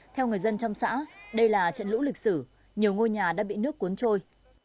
theo người dân trong xã đây là trận lũ lịch sử nhiều ngôi nhà đã bị nước cuốn trôi